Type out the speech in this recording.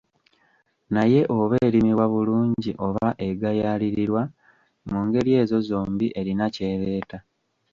Naye oba erimibwa bulungi oba egayaalirirwa, mu ngeri ezo zombi erina ky'ereeta.